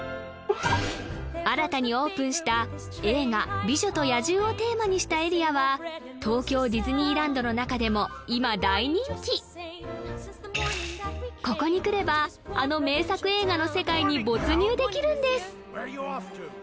新たにオープンした映画「美女と野獣」をテーマにしたエリアは東京ディズニーランドの中でも今大人気ここに来ればあの名作映画の世界に没入できるんです